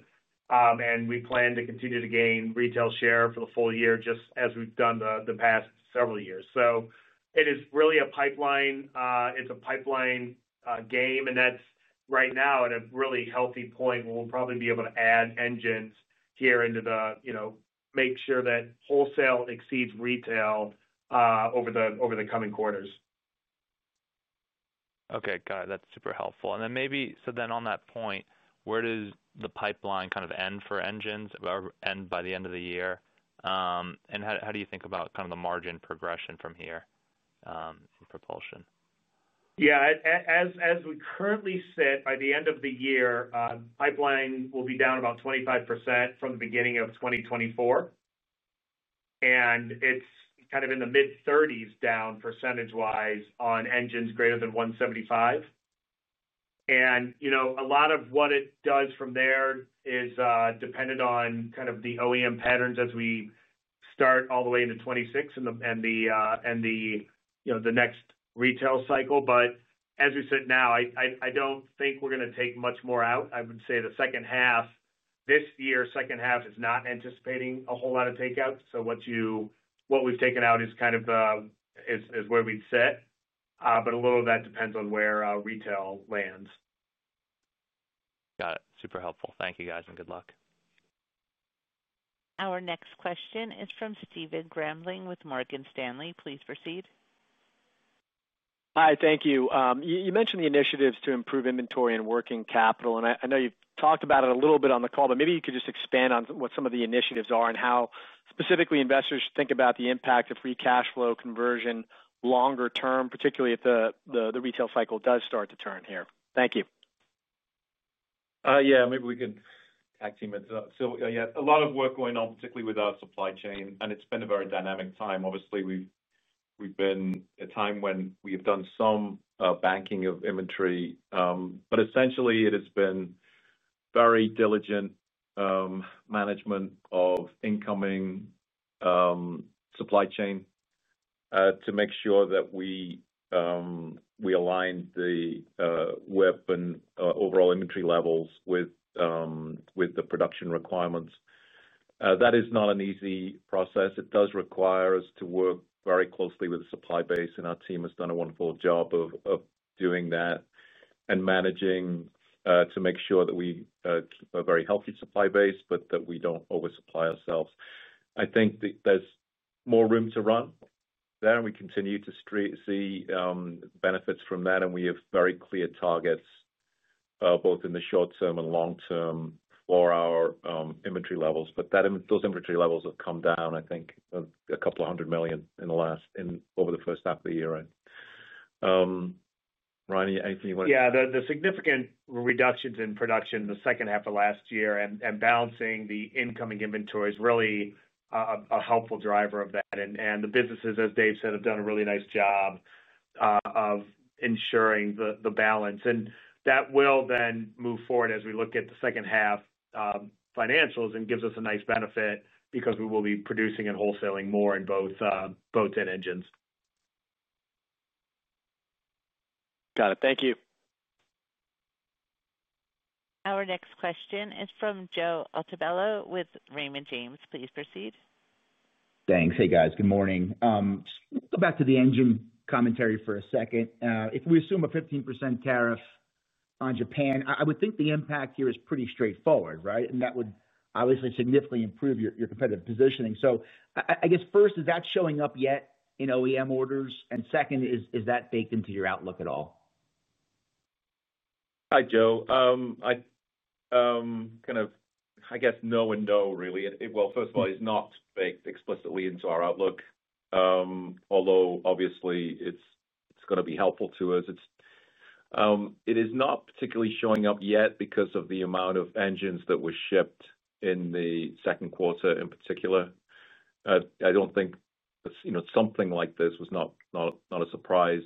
And we plan to continue to gain retail share for the full year just as we've done the the past several years. So it is really a pipeline. It's a pipeline game and that's right now at a really healthy point. We'll probably be able to add engines here into the make sure that wholesale exceeds retail, over the over the coming quarters. Okay, got it. That's super helpful. And then maybe so then on that point, where does the pipeline kind of end for engines and by the end of the year? And how do you think about kind of the margin progression from here in propulsion? Yes. As we currently sit by the end of the year, pipeline will be down about 25% from the beginning of 2024. And it's kind of in the mid thirties down percentage wise on engines greater than one seventy five. And, you know, a lot of what it does from there is dependent on kind of the OEM patterns as we start all the way into 2026 and the next retail cycle. But as we sit now, I don't think we're going to take much more out. I would say the second half this year second half is not anticipating a whole lot of takeouts. So what you what we've taken out is kind of is where we've set, but a little of that depends on where retail lands. Got it. Super helpful. Thank you guys and good luck. Our next question is from Stephen Grambling with Morgan Stanley. Please proceed. Hi, thank you. You mentioned the initiatives to improve inventory and working capital. And I know you've talked about it a little bit on the call, but maybe you could expand on what some of the initiatives are and how specifically investors think about the impact of free cash flow conversion longer term, particularly if the retail cycle does start to turn here? Thank you. Yes. Maybe we could tag team it up. So yes, a lot of work going on particularly with our supply chain and it's been a very dynamic time. Obviously, we've been a time when we've done some banking of inventory. But essentially it has been very diligent management of incoming supply chain to make sure that we align the weapon overall inventory levels with the production requirements. That is not an easy process. It does require us to work very closely with the supply base and our team has done a wonderful job of doing that and managing to make sure that we keep a very healthy supply base, but that we don't oversupply ourselves. I think there's more room to run there and we continue to see benefits from that and we have very clear targets both in the short term and long term for our inventory levels. But that those inventory levels have come down I think a couple of 100,000,000 in the last in over the first half of the year end. Ryan, anything you want add? Yes. The significant reductions in production in the second half of last year and balancing the incoming inventories really a helpful driver of that. And the businesses, as Dave said, have done a really nice job of ensuring the balance. And that will then move forward as we look at the second half financials and gives us a nice benefit because we will be producing and wholesaling more in both engines. Got it. Thank you. Our next question is from Joe Altobello with Raymond James. Please proceed. Thanks. Hey guys. Good morning. Go back to the engine commentary for a second. If we assume a 15% tariff on Japan, I would think the impact here is pretty straightforward, right? And that would obviously significantly improve your competitive positioning. So I guess first is that showing up yet in OEM orders? And second is that baked into your outlook at all? Hi, Joe. Kind of I guess no and no really. First of all, it's not baked explicitly into our outlook. Although obviously, it's going to be helpful to us. Is not particularly showing up yet because of the amount of engines that were shipped in the second quarter in particular. I don't think something like this was not a surprise.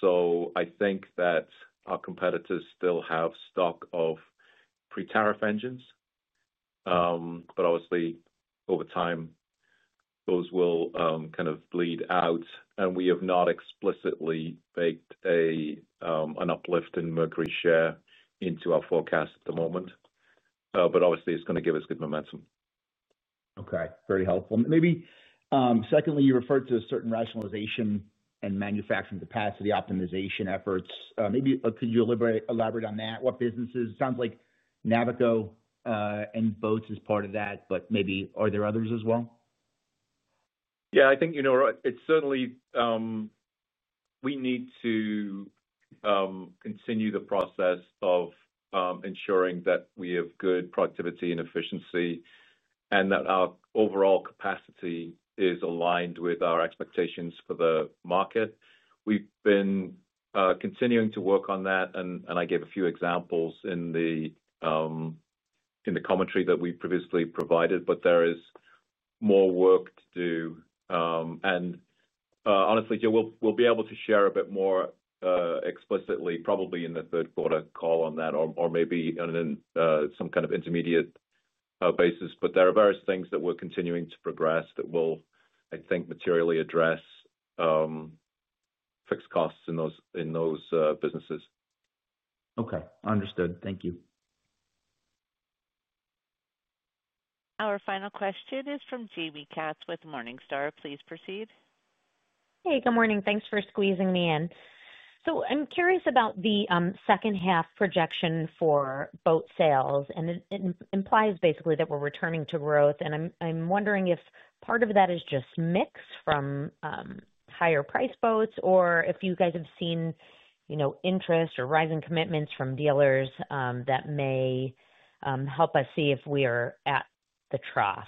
So I think that our competitors still have stock of pre tariff engines. But obviously over time those will kind of bleed out and we have not explicitly baked an uplift in Mercury share into our forecast at the moment. But obviously it's going to give us good momentum. Okay. Very helpful. Maybe secondly, you referred to a certain rationalization and manufacturing capacity optimization efforts. Maybe could you elaborate on that? What businesses? It sounds like Navico and Boats is part of that, but maybe are there others as well? Yes. I think, it's certainly we need to continue the process of ensuring that we have good productivity and efficiency and that our overall capacity is aligned with our expectations for the market. We've been continuing to work on that and I gave a few examples in the commentary that we previously provided, but there is more work to do. And honestly, we'll be able to share a bit more explicitly probably in the third quarter call on that or maybe on some kind of intermediate basis. But there are various things that we're continuing to progress that will I think materially address fixed costs in businesses. Okay. Understood. Thank you. Our final question is from Jamie Katz with Morningstar. Please proceed. Hey, good morning. Thanks for squeezing me in. So I'm curious about the second half projection for boat sales and it implies basically that we're returning to growth. And I'm wondering if part of that is just mix from higher priced boats or if you guys have interest or rising commitments from dealers that may help us see if we are at the trough?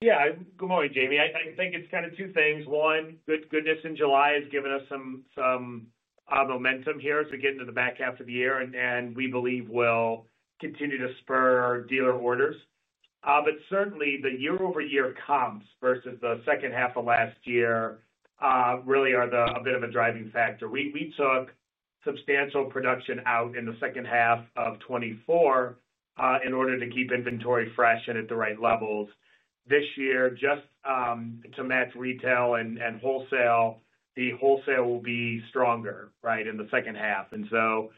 Yes. Good morning, Jamie. I think it's kind of two things. One, good news in July has given us some momentum here as we get into the back half of the year and we believe will continue to spur dealer orders. But certainly, the year over year comps versus the second half of last year, really are the a bit of a driving factor. We took substantial production out in the 2024 in order to keep inventory fresh and at the right levels. This year, just to match retail and wholesale, the wholesale will be stronger, right, in the second half. And so,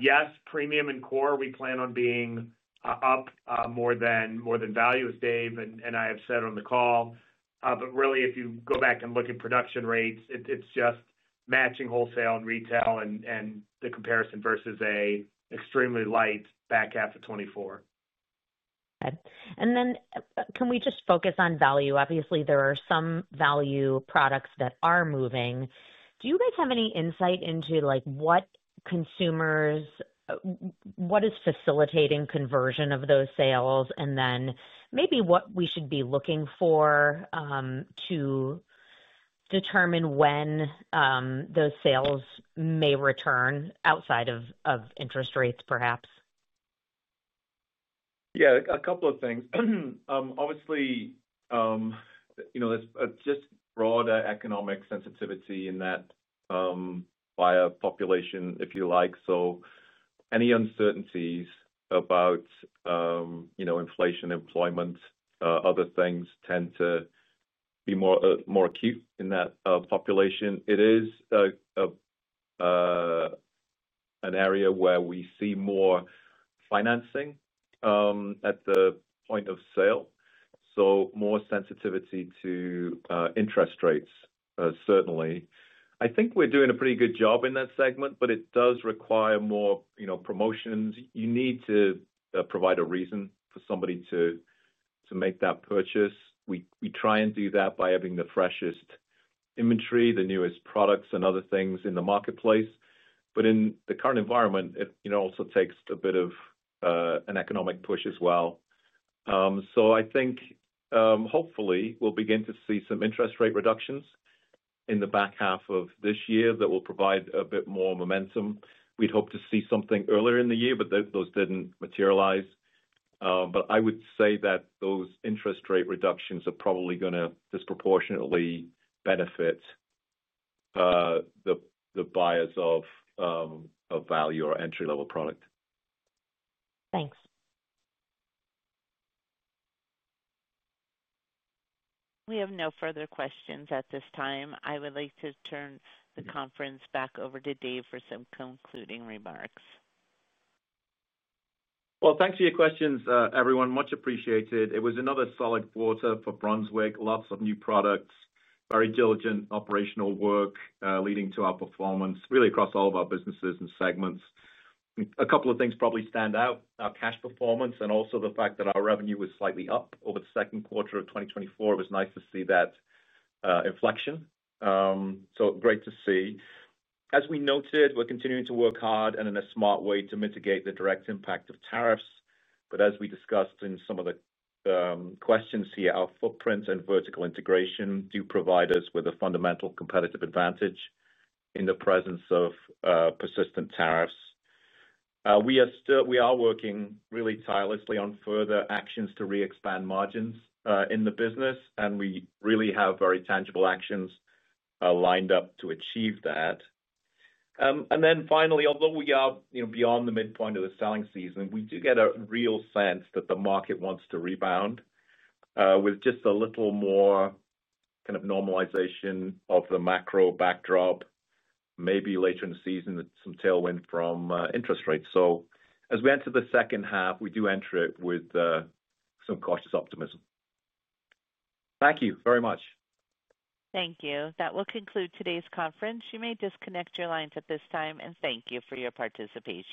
yes, premium and core, we plan on being up more than value as Dave and I have said on the call. But really if you go back and look at production rates, it's just matching wholesale and retail and the comparison versus a extremely light back half of twenty twenty four. Okay. And then can we just focus on value? Obviously, are some value products that are moving. Do you guys have any insight into like what consumers what is facilitating conversion of those sales? And then maybe what we should be looking for to determine when those sales may return outside of interest rates perhaps? Yes, a couple of things. Obviously, there's just broader economic sensitivity in that by a population if you like. So any uncertainties about inflation employment other things tend to be more acute in that population. It is an area where we see more financing at the point of sale. So more sensitivity to interest rates certainly. I think we're doing a pretty good job in that segment, but it does require more promotions. You need to provide a reason for somebody to make that purchase. We try and do that by having the freshest inventory, the newest products and other things in the marketplace. But in the current environment, it also takes a bit of an economic push as well. So I think hopefully we'll begin to see some interest rate reductions in the back half of this year that will provide a bit more momentum. We'd hope to see something earlier in the year, but those didn't materialize. But I would say that those interest rate reductions are probably going to disproportionately benefit the buyers of value or entry level product. Thanks. We have no further questions at this time. I would like to turn the conference back over to Dave for some concluding remarks. Well, thanks for your questions everyone. Much appreciated. It was another solid quarter for Brunswick, lots of new products, very diligent operational work leading to our performance really across all of our businesses and segments. A couple of things probably stand out. Our cash performance and also the fact that our revenue was slightly up over the second quarter of twenty twenty four. It was nice to see that inflection. So great to see. As we noted, we're continuing to work hard and in a smart way to mitigate the direct impact of tariffs. But as we discussed in some of the questions here, our footprint and vertical integration do provide us with a fundamental competitive advantage in the presence of persistent tariffs. We are still we are working really tirelessly on further actions to re expand margins in the business and we really have very tangible actions lined up to achieve that. And then finally, although we are beyond the midpoint of the selling season, we do get a real sense that the market wants to rebound with just a little more kind of normalization of the macro backdrop maybe later in the season with some tailwind from interest rates. So as we enter the second half, we do enter it with some cautious optimism. Thank you very much. Thank you. That will conclude today's conference. You may disconnect your lines at this time and thank you for your participation.